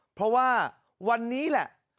เพราะว่าวันนี้แหละ